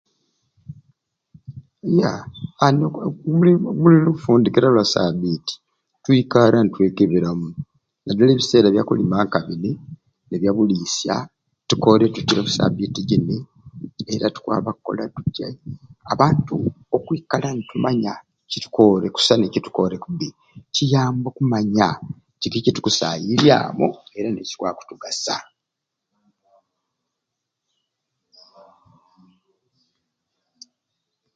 Ya buli buli lufundira lwa sabiiti twikara n'etwekeberamu naddala ebisera ebya kuluma nka bini nebya bulisya tukore tutyai e sabiiti gyini era tukwaba kola tutyai abantu okwikala netumanya kyetukore okusai ne kyetukore okubi kiyambaku kiyamba okumanya kiki kye tukusayiryamu era n'ekikwaba okutugasa